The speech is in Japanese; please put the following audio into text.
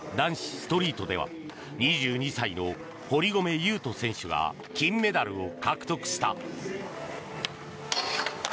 ストリートでは２２歳の堀米雄斗選手が金メダルを獲得した。